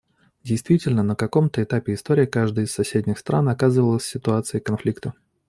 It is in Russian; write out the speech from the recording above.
Действительно, на каком-то этапе истории каждая из соседних стран оказывалась в ситуации конфликта.